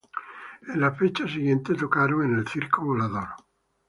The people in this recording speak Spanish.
En la fecha siguiente tocaron en el Circo Volador.